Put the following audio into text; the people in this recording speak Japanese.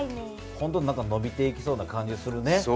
ほんとのびていきそうな感じがするね。